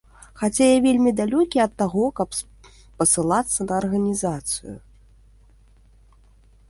Хаця я вельмі далёкі ад таго, каб спасылацца на арганізацыю.